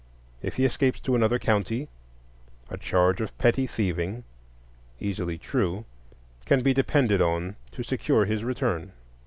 If he escape to another county, a charge of petty thieving, easily true, can be depended upon to secure his return.